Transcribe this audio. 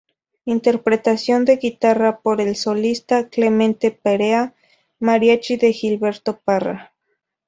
Interpretación de guitarra por el solista: Clemente Perea, Mariachi de Gilberto Parra.